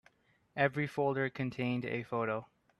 Every folder contained a photo.